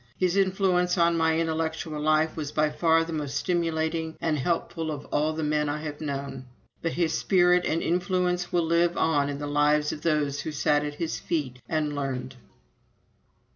His influence on my intellectual life was by far the most stimulating and helpful of all the men I have known. ... But his spirit and influence will live on in the lives of those who sat at his feet and learned."